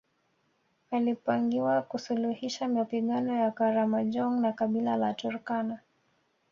Alipangiwa kusuluhisha mapigano ya Karamojong na kabila la Turkana